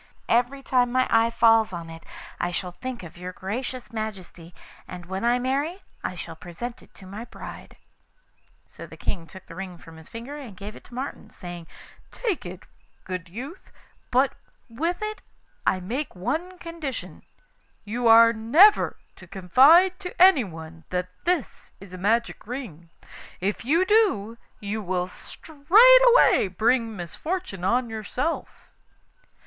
Every time my eye falls on it I shall think of your gracious Majesty, and when I marry I shall present it to my bride.' So the King took the ring from his finger and gave it to Martin, saying: 'Take it, good youth; but with it I make one condition you are never to confide to anyone that this is a magic ring. If you do, you will straightway bring misfortune on yourself.